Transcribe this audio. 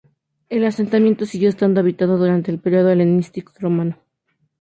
El asentamiento siguió estando habitado durante el periodo helenístico y romano.